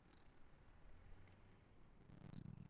Dat docht bliken út in omfraach fan dizze krante.